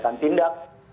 kami akan tindak